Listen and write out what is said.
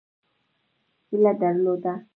هیله درلوده.